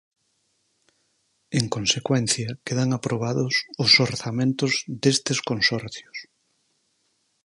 En consecuencia, quedan aprobados os orzamentos destes consorcios.